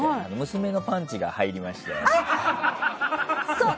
娘のパンチが入りまして。